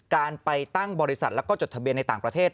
การไปตั้งบริษัทแล้วก็จดทะเบียนในต่างประเทศ